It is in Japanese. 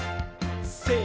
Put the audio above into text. せの。